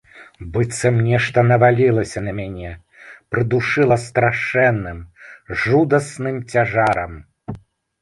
Быццам нешта навалілася на мяне, прыдушыла страшэнным, жудасным цяжарам.